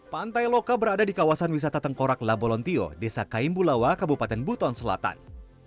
pantai loka berada di kawasan wisata tengkorak la bolontio desa kaim bulawa kabupaten buton selatan